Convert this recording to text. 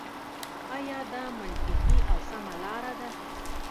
آيـا دا مـنطـقـي او سـمـه لاره ده.